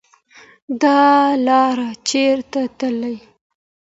دا لار چیري تللي